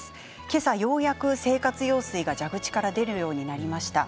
今朝ようやく生活用水が蛇口から出るようになりました。